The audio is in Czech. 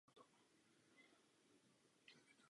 Farnost Žulová je administrována ex currendo z Vápenné.